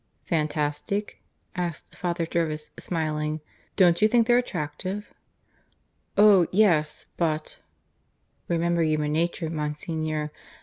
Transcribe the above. "Fantastic?" asked Father Jervis, smiling. "Don't you think they're attractive?" "Oh yes; but " "Remember human nature, Monsignor.